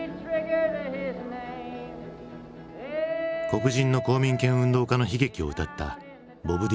黒人の公民権運動家の悲劇を歌ったボブ・ディラン。